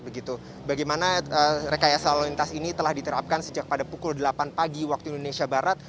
bagaimana rekayasa lalu lintas ini telah diterapkan sejak pada pukul delapan pagi waktu indonesia barat